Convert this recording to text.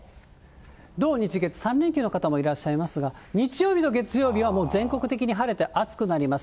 土日月、３連休の方もいらっしゃいますが、日曜日と月曜日は、もう全国的に晴れて暑くなります。